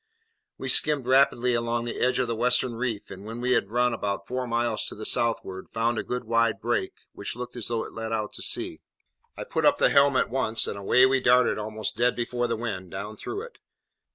We skimmed rapidly along the edge of the western reef, and when we had run about four miles to the southward, found a good wide break, which looked as though it led out to sea. I put up the helm at once, and away we darted almost dead before the wind, down through it.